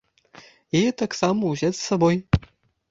Яе таксама ўзяць з сабой.